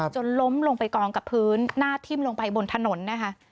จนล้มลงไปกองกับพื้นหน้าทิ่มลงไปบนถนนนะคะ